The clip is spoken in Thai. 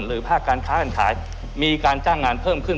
ภาคการค้าการขายมีการจ้างงานเพิ่มขึ้น